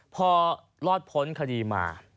พอรอดพ้นคดีมา